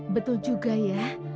betul juga ya